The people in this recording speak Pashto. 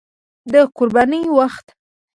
د قربانۍ وخت